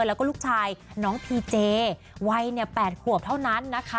แล้วก็ลูกชายน้องพีเจวัย๘ขวบเท่านั้นนะคะ